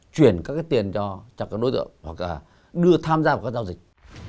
chuyển các cái tiền cho chặt các đối tượng hoặc là đưa tham gia vào các giao dịch